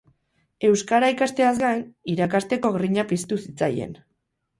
Euskara ikasteaz gain, irakasteko grina piztu zitzaien.